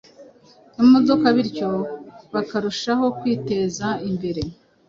imodoka bityo bakarushaho kwiteza imbere